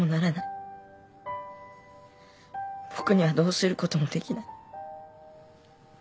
僕にはどうすることもできない。